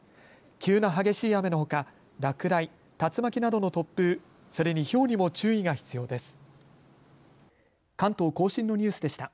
急な激しい雨のほか落雷、竜巻などの突風、それにひょうにも注意が必要です。